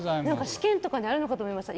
試験とかにあるのかと思いました。